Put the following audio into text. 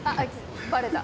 バレた。